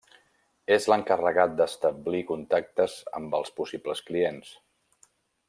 És l'encarregat d'establir contactes amb els possibles clients.